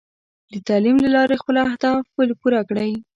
د تعلیم له لارې خپل اهداف پوره کړئ.